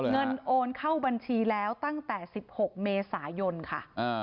เงินโอนเข้าบัญชีแล้วตั้งแต่๑๖เมษายนค่ะ